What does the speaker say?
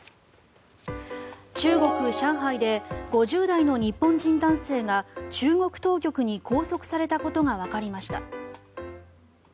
中国・上海で５０代の日本人男性が中国当局に拘束されたことがわかりました。